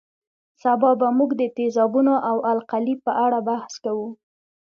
سبا به موږ د تیزابونو او القلي په اړه بحث کوو